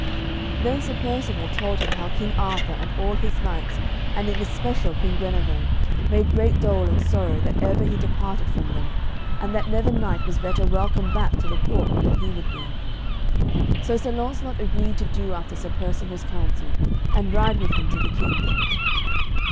Then Sir Percivale told him how King Arthur and all his knights, and in especial Queen Guenever, made great dole and sorrow that ever he departed from them, and that never knight was better welcome back to the court than he would be. So Sir Launcelot agreed to do after Sir Percivale's counsel, and ride with him to the King.